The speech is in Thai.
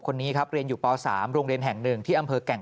คนนี้ครับเรียนอยู่ป๓โรงเรียนแห่ง๑ที่อำเภอแก่ง